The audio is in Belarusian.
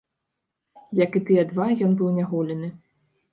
Як і тыя два, ён быў няголены.